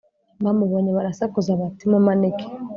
bamubonye barasakuza bati “ mumanike